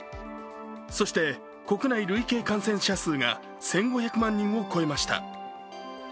そして、国内累計感染者数が１５００万人を超えました。